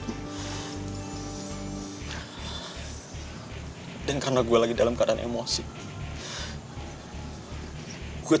terus dia nawarin sesuatu sama gue boy dia mau balasin rasa sakit gue sama oki terlebih sama anak anak aja yang lainnya